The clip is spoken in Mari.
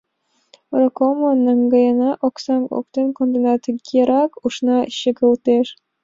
«Роколмам наҥгаена — оксам оптен кондена», — тыгерак ушна чыгылтеш.